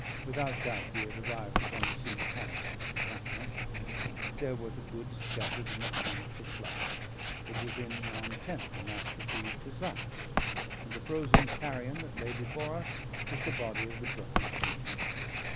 Without doubt we had arrived upon the scene of Harris's encampment; there were the goods scattered in the panic of flight; it was in yon tent the Master breathed his last; and the frozen carrion that lay before us was the body of the drunken shoemaker.